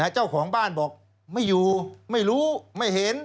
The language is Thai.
เจ้าของบ้านบอกไม่อยู่ไม่รู้ไม่เห็น